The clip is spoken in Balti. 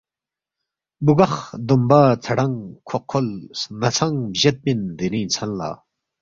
بگخ ، دومبہ، ژھرنگ ، کھوقکھول سنہ ژھنگ بجد پن دیرینگ ژھن لا